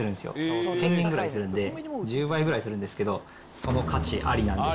１０００円ぐらいするんで、１０倍ぐらいするんですけど、その価値ありなんです。